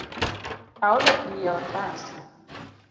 Aolo pi e otas